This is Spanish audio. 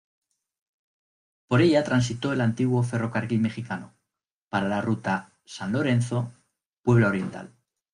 Por ella transitó el antiguo Ferrocarril Mexicano para la ruta San Lorenzo-Puebla-Oriental.